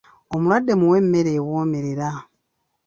Omulwadde muwe emmere ewoomerera.